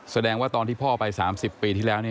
แสดงว่าตอนที่พ่อไป๓๐ปีที่แล้ว